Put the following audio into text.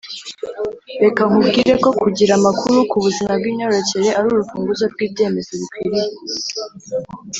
reka nkubwire ko kugira amakuru ku buzima bw’imyororokere ari urufunguzo rw’ibyemezo bikwiriye